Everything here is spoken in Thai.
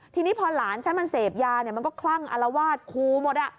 ทีนี้พอหลานฉันมันเสพยาเนี่ยมันก็คลั่งอารวาสคูหมด